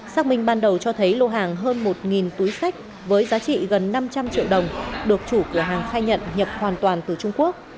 xác minh ban đầu cho thấy lô hàng hơn một túi sách với giá trị gần năm trăm linh triệu đồng được chủ cửa hàng khai nhận nhập hoàn toàn từ trung quốc